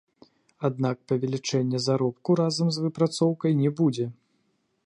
Аднак павелічэння заробку разам з выпрацоўкай не будзе.